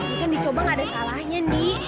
ini kan dicoba gak ada salahnya nih